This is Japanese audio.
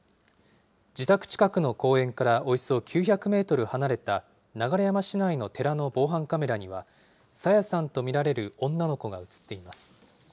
自宅近くの公園からおよそ９００メートル離れた流山市内の寺の防犯カメラには、朝芽さんと見られる女の子が写っています。